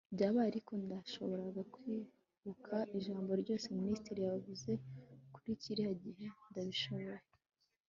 byabaye, ariko ndashobora kwibuka ijambo ryose minisitiri yavuze kuri kiriya gihe. ndabishoboye